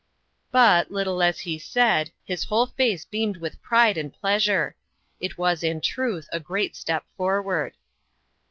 But, little as he said, his whole face beamed with pride and pleasure. It was, in truth, a great step forward.